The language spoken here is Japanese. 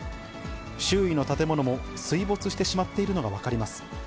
周囲の建物も水没してしまっているのが分かります。